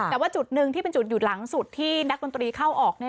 แต่ว่าจุดหนึ่งที่เป็นจุดหยุดหลังสุดที่นักดนตรีเข้าออก